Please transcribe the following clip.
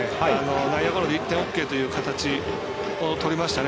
内野ゴロで１点ＯＫという形をとりましたね。